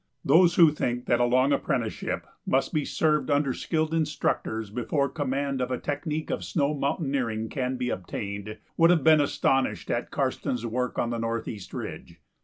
Those who think that a long apprenticeship must be served under skilled instructors before command of the technique of snow mountaineering can be obtained would have been astonished at Karstens's work on the Northeast Ridge.